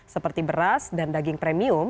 seperti beras dan daging premium